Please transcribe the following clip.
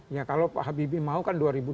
ya kalau pak habibie mau kan dua ribu dua puluh